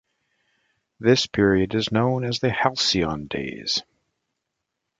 This period is known as the Halcyon Days.